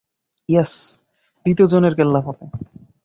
Yes, দ্বিতীয় জনের কেল্লা ফতে!